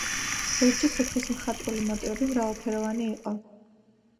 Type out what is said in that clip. ლურჯი სუფრის მხატვრული მოტივები მრავალფეროვანი იყო.